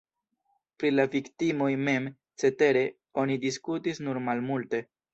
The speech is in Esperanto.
Pri la viktimoj mem, cetere, oni diskutis nur malmulte.